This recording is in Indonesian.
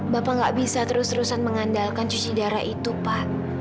bapak nggak bisa terus terusan mengandalkan cuci darah itu pak